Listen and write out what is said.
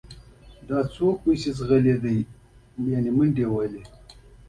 نوموړي نوې دولتي بیروکراسي او پوځ رامنځته کړل.